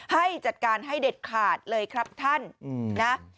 ให้จัดการให้เด็ดขาดเลยครับท่านนะ